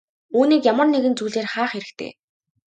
Үүнийг ямар нэгэн зүйлээр хаах хэрэгтэй.